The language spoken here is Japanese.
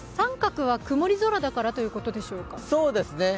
△は曇り空だからということでしょうか。